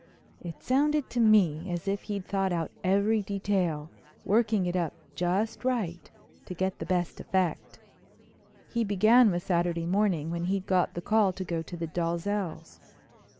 It sounded to me as if he'd thought out every detail, worked it up just right to get the best effect. He began with Saturday morning, when he'd got the call to go to the Dalzells'.